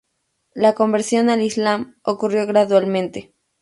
La conversión al Islam ocurrió gradualmente.